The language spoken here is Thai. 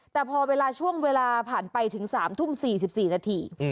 แต่พอเวลาช่วงเวลาผ่านไปถึง๓ทุ่ม๔๔นาที